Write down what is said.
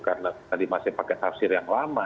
karena tadi masih pakai tafsir yang lama